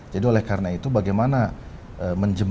jadi oleh karena itu bagaimana kita bisa mendorong partisipasi